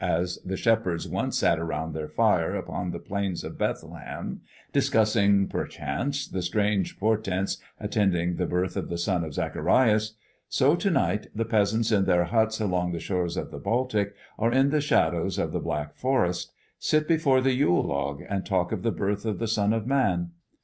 As the shepherds once sat around their fire upon the plains of Bethlehem, discussing, perchance, the strange portents attending the birth of the son of Zacharias, so to night the peasants in their huts along the shores of the Baltic, or in the shadows of the Black Forest, sit before the Yule log, and talk of the birth of the Son of man.